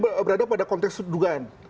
karena kami berada pada konteks dugaan